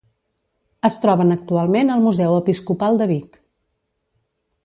Es troben actualment al Museu Episcopal de Vic.